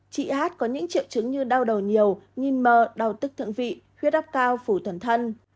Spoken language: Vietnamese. chị hát có những triệu chứng như đau đầu nhiều nhìn mờ đau tức thượng vị huyết áp cao phủ toàn thân